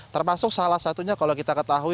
termasuk salah satunya kalau kita ketahui